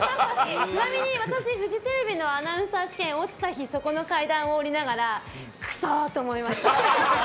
ちなみに私、フジテレビのアナウンサー試験に落ちた日そこの階段を下りながらクソッ！と思ってました。